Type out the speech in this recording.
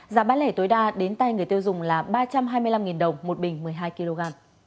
giá bán lẻ tối đa đến tay người tiêu dùng là ba trăm hai mươi năm đồng một bình một mươi hai kg